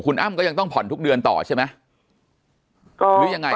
คุณอ้ำก็ยังต้องผ่อนทุกเดือนต่อใช่ไหม